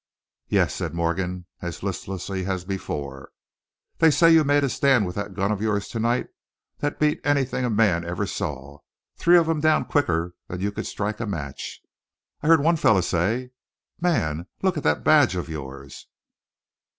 "Yes," said Morgan, as listlessly as before. "They say you made a stand with that gun of yours tonight that beat anything a man ever saw three of 'em down quicker than you could strike a match! I heard one feller say man! look at that badge of yours!"